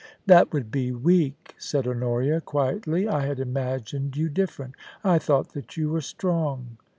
* That would be weak,' said Honoria, quietly. * I had imagined you different ; I thought that you were strong.'